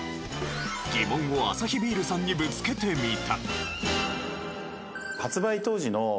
疑問をアサヒビールさんにぶつけてみた。